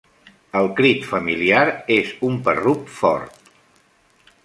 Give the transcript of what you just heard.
El crit familiar és un parrup fort.